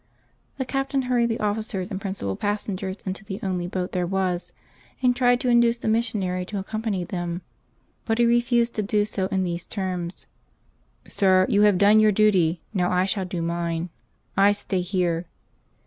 The captain hurried the ofiScers and principal passengers into the only boat there was, and tried to induce the mis sionary to accompany them; but he refused to d© so in these terms :" Sir, you have done your duty ; now I shall do mine. I stay here."